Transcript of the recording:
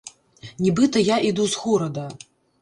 Нібыта я іду з горада.